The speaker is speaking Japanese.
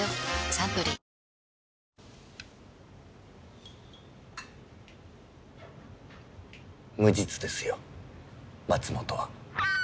サントリー無実ですよ松本は。